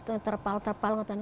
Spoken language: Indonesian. ngek terpal terpal ngek ngotan